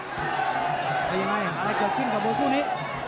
ก็ยังไงและบังคุณิ